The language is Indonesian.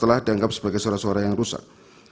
telah dianggap sebagai suara suara yang rusak